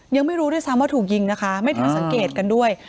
ยังไม่รู้ด้วยซ้ำว่าถูกยิงนะคะไม่ถึงสังเกตกันด้วย